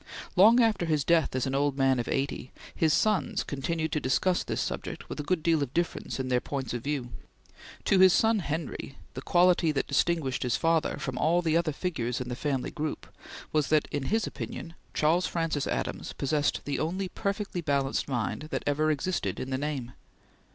Long after his death as an old man of eighty, his sons continued to discuss this subject with a good deal of difference in their points of view. To his son Henry, the quality that distinguished his father from all the other figures in the family group, was that, in his opinion, Charles Francis Adams possessed the only perfectly balanced mind that ever existed in the name.